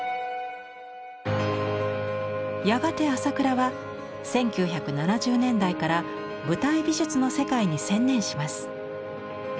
やがて朝倉は１９７０年代から舞台美術の世界に専念します。